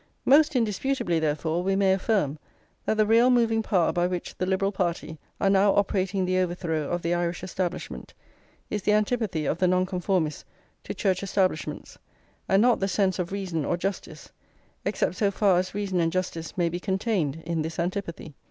Most indisputably, therefore, we may affirm that the real moving power by which the Liberal party are now operating the overthrow of the Irish establishment is the antipathy of the Nonconformists to Church establishments, and not the sense of reason or justice, except so far as reason and justice may be contained in this antipathy.